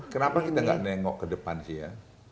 kenapa kita nggak nengok ke depan sih ya